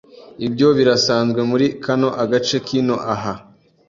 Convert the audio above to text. Ibyo birasanzwe muri kano agce kino aha